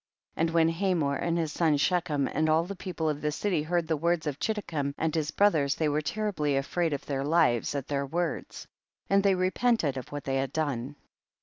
13. And when Hamor and his son Shechem and all the people of the city heard the words of Chiddekem and his brothers, they were terribly afraid of their lives at their words, and they repented of what they had done.